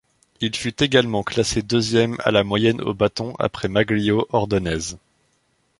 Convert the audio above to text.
Il fut également classé deuxième à la moyenne au bâton après Magglio Ordonez.